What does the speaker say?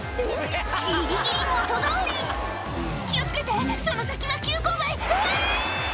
ギリギリ元どおり気を付けてその先は急勾配うわ！